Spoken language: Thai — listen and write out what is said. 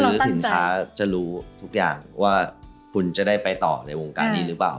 หรือสินค้าจะรู้ทุกอย่างว่าคุณจะได้ไปต่อในวงการนี้หรือเปล่า